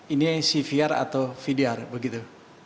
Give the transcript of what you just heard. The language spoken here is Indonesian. ini cvr atau vdr begitu